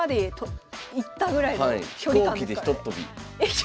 飛行機でひとっ飛び。